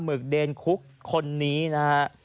หมึกเดนคุกคนนี้นะ